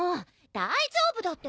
大丈夫だってば！